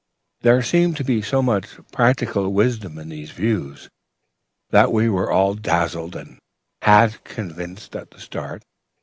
"There seemed to be so much practical wisdom in these views that we were all dazzled and half convinced at the start.